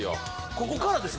ここからですね